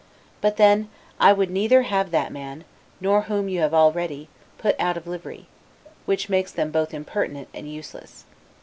But then, I would neither have that man, nor him whom you have already, put out of livery; which makes them both impertinent and useless.